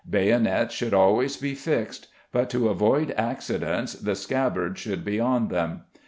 Bayonets should always be fixed, but to avoid accidents the scabbards should be on them.